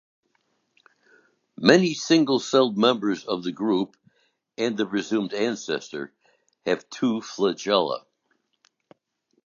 Many single-celled members of the group, and the presumed ancestor, have two flagella.